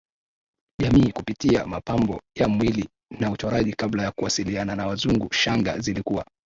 jamii kupitia mapambo ya mwili na uchoraji Kabla ya kuwasiliana na Wazungu shanga zilikuwa